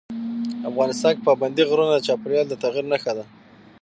افغانستان کې پابندي غرونه د چاپېریال د تغیر نښه ده.